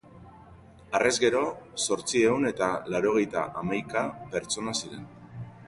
Harrez gero, zortziehun eta laurogeita hamaika pertsona ziren.